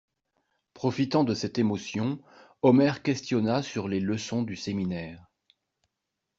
Profitant de cette émotion, Omer questionna sur les leçons du séminaire.